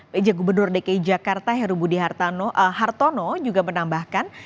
peja gubernur dki jakarta herubudi hartono juga menambahkan